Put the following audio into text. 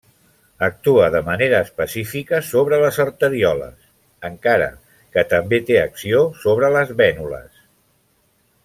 Actua de manera específica sobre les arterioles, encara que també té acció sobre les vènules.